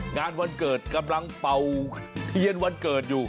งานวันเกิดกำลังเป่าเทียนวันเกิดอยู่